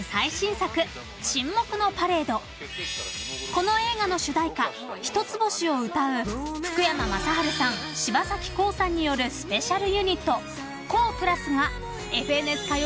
［この映画の主題歌『ヒトツボシ』を歌う福山雅治さん柴咲コウさんによるスペシャルユニットＫＯＨ＋が］